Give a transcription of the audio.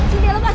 sinti ya lepas